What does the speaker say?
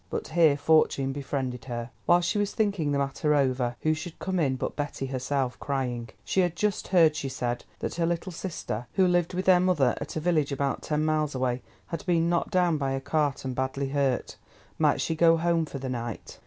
But here fortune befriended her. While she was thinking the matter over, who should come in but Betty herself, crying. She had just heard, she said, that her little sister, who lived with their mother at a village about ten miles away, had been knocked down by a cart and badly hurt. Might she go home for the night?